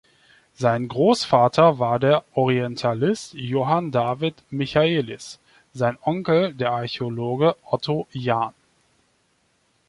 Sein Großvater war der Orientalist Johann David Michaelis, sein Onkel der Archäologe Otto Jahn.